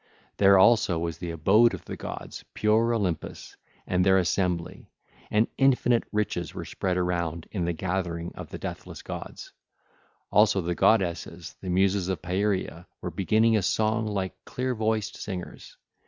There also was the abode of the gods, pure Olympus, and their assembly, and infinite riches were spread around in the gathering, the Muses of Pieria were beginning a song like clear voiced singers.